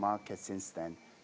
dari pasar sejak itu